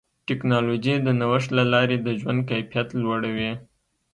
ټکنالوجي د نوښت له لارې د ژوند کیفیت لوړوي.